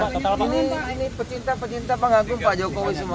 ini pecinta pencinta pengagum pak jokowi semua